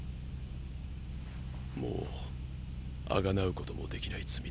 もう贖うこともできない罪だ。